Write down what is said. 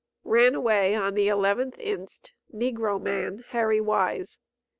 Ran away, on the 11th inst., negro man, Harry Wise.